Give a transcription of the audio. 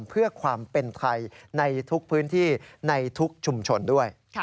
เพื่อความเป็นไทยในทุกพื้นที่ในทุกชุมชนด้วย